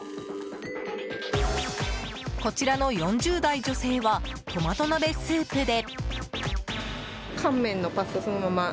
こちらの４０代女性はトマト鍋スープで。